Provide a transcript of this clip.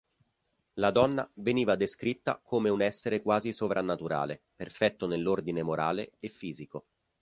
La donna veniva descritta come un essere quasi sovrannaturale, perfetto nell'ordine morale e fisico.